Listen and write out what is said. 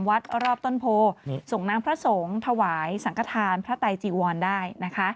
รอบต้นโพส่งน้ำพระสงฆ์ถวายสังขทานพระไตจีวรได้นะคะ